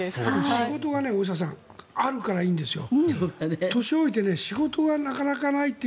仕事があるからいいんですよ。